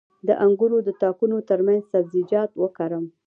د انګورو د تاکونو ترمنځ سبزیجات وکرم؟